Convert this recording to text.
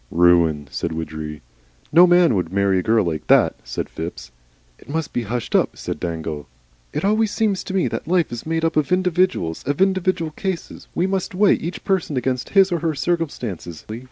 "Ruin," said Widgery. "No man would marry a girl like that," said Phipps. "It must be hushed up," said Dangle. "It always seems to me that life is made up of individuals, of individual cases. We must weigh each person against his or her circumstances.